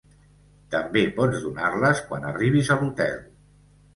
També pots donar-les quan arribis a l'hotel.